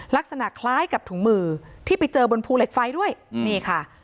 ลักษณะคล้ายกับถุงมือที่ไปเจอบนภูเหล็กไฟด้วยนี่ค่ะ